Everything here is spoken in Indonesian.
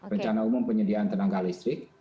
rencana umum penyediaan tenaga listrik